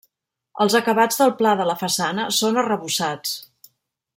Els acabats del pla de la façana són arrebossats.